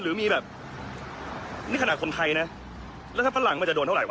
หรือมีแบบในขณะคนไทยนะราคาต่างหลังมันจะโดนเท่าไรวะ